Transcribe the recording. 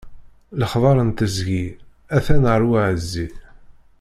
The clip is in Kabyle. Lexbaṛ n teẓgi, a-t-an ar uɛeẓẓi.